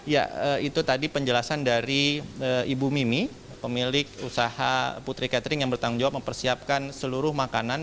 ya itu tadi penjelasan dari ibu mimi pemilik usaha putri catering yang bertanggung jawab mempersiapkan seluruh makanan